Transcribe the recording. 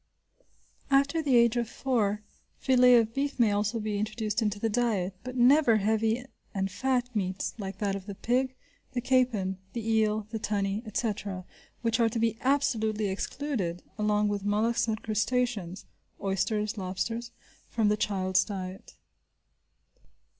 After the age of four, filet of beef may also be introduced into the diet, but never heavy and fat meats like that of the pig, the capon, the eel, the tunny, etc., which are to be absolutely excluded along with mollusks and crustaceans, (oysters, lobsters), from the child's diet.